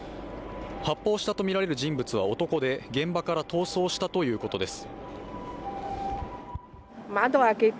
発砲したとみられる人物は男で現場から逃走したということです。